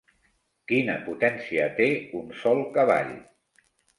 Quina potència té un sol cavall?